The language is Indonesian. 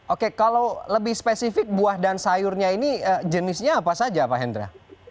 oke kalau lebih spesifik buah dan sayurnya ini jenisnya apa saja pak hendra